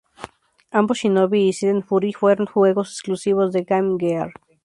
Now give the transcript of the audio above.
Ambos "Shinobi" y "Silent Fury" fueron juegos exclusivos de Game Gear.